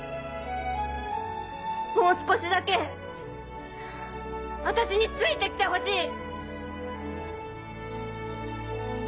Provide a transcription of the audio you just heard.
もう少しだけ私について来てほしい！